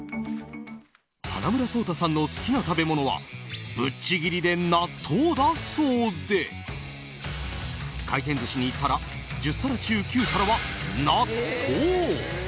花村想太さんの好きな食べ物はぶっちぎりで納豆だそうで回転寿司に行ったら１０皿中９皿は納豆。